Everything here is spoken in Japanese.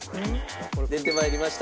出て参りました。